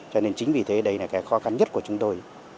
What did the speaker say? cho nên chính vì thế đây là cái khó khăn nhất của chúng tôi